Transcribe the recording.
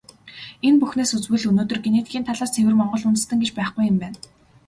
Энэ бүхнээс үзвэл, өнөөдөр генетикийн талаас ЦЭВЭР МОНГОЛ ҮНДЭСТЭН гэж байхгүй юм байна.